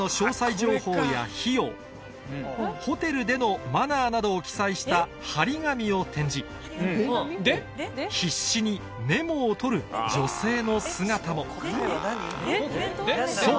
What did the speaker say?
情報や費用ホテルでのマナーなどを記載した張り紙を展示必死にメモを取る女性の姿もそう！